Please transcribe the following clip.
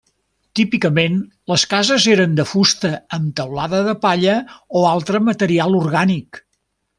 Típicament les cases eren de fusta amb teulada de palla o altre material orgànic.